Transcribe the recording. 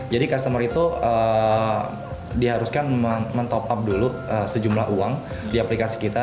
jadi customer itu diharuskan men top up dulu sejumlah uang di aplikasi kita